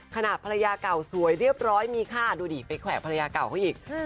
ขณะภรรยาเก่าสวยเรียบร้อยมีค่าดูดิไปแขวะภรรยาเก่าเขาอีก